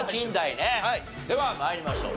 では参りましょう。